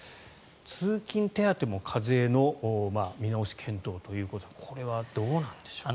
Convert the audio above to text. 通勤手当も課税の見直し検討ということでこれはどうなんでしょうか。